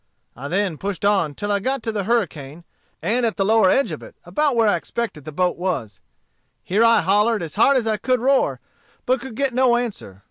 "I then pushed on till I got to the hurricane, and at the lower edge of it, about where I expected the boat was. Here I hollered as hard as I could roar, but could get no answer.